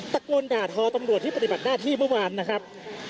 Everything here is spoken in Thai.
ตะโกนด่าทอตำรวจที่ปฏิบัติหน้าที่เมื่อวานนะครับ